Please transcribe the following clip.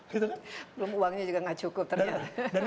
belum uangnya juga nggak cukup ternyata